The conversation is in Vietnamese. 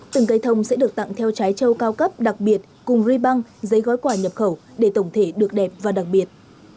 từng cây thông sẽ được tặng theo trái trâu cao cấp đặc biệt cùng ribang giấy gói quả nhập khẩu để tổng thể được đẹp và đặc biệt